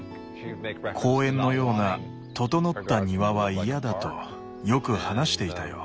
「公園のような整った庭は嫌だ」とよく話していたよ。